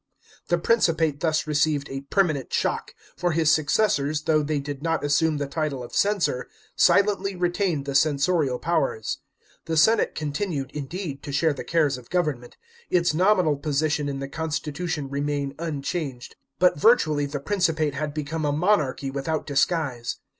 The Principate thus received a permanent shock ; for his successors, though they did not assume the title of censor, silently retained the censorial powers. The senate continued, indeed, to share the cares of government; its nominal position in the constitution remained unchanged ; but virtually the Principate had become a monarchy without disguise.